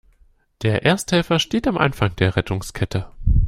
Der Ersthelfer steht am Anfang der Rettungskette.